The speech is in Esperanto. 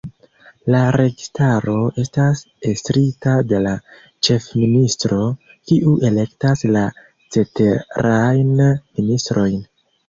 La registaro estas estrita de la Ĉefministro, kiu elektas la ceterajn ministrojn.